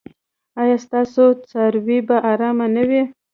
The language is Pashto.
ایا ستاسو څاروي به ارام نه وي؟